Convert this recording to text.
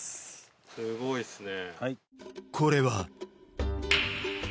すごいですね。